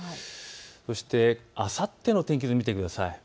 そして、あさっての天気図を見てください。